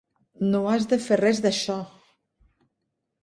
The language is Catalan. No has de fer res d'això!